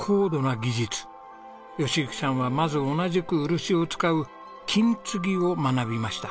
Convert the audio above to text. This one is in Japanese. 喜行さんはまず同じく漆を使う金継ぎを学びました。